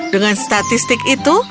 dengan statistik itu